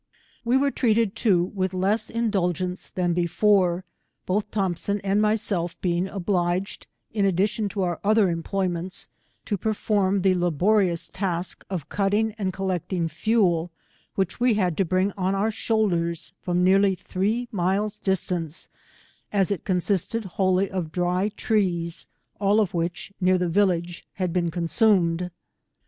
We were treated too with less in dulgence than before, both Thompson and myself being obliged, in addition to our other employ ments, to perform the laborious task of cutting and collecting fuel, which we had to bring on our •boulders from nearly three miles distance, as it consisted wholly of dry trees, all of which, near the village, had been consumed.